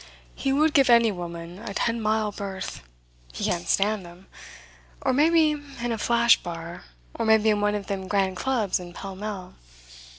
He would give any woman a ten mile berth. He can't stand them. Or maybe in a flash bar. Or maybe in one of them grand clubs in Pall Mall.